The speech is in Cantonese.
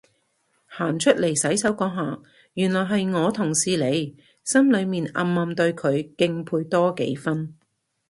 行出嚟洗手嗰下原來係我同事嚟，心裏面暗暗對佢敬佩多幾分